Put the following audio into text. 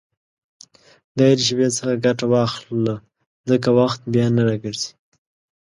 د هرې شېبې څخه ګټه واخله، ځکه وخت بیا نه راګرځي.